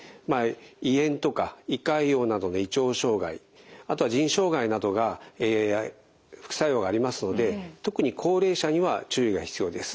胃炎とか胃潰瘍などの胃腸障害あとは腎障害などが副作用がありますので特に高齢者には注意が必要です。